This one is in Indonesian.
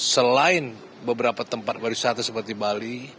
selain beberapa tempat wisata seperti bali